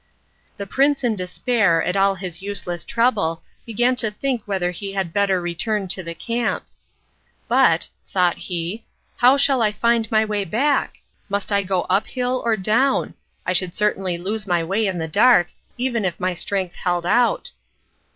The prince in despair at all his useless trouble began to think whether he had better return to the camp. "But," thought he, "how shall I find my way back? Must I go up hill or down? I should certainly lose my way in the dark, even if my strength held out."